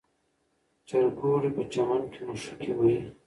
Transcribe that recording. چرګوړي په چمن کې مښوکې وهي.